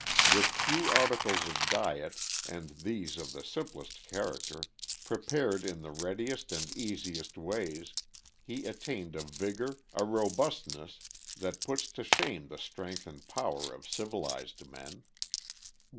With few articles of diet, and these of the simplest character, prepared in the readiest and easiest ways, he attained a vigor, a robustness, that puts to shame the strength and power of civilized men.